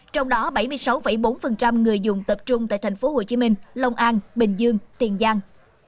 trong đó bảy mươi sáu bốn người dùng tập trung tại thành phố hồ chí minh lông an bình dương tiền giang